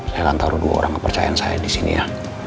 saya akan taruh dua orang kepercayaan saya disini ya